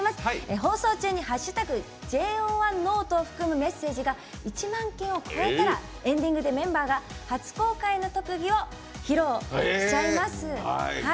放送中に「＃ＪＯ１ノオト」を含むメッセージが１万件を超えたらエンディングでメンバーが初公開の特技を披露しちゃいます。